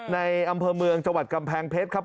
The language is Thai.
อำเภอเมืองจังหวัดกำแพงเพชรครับ